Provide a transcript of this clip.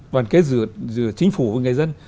đoàn kết giữa chính phủ và người dân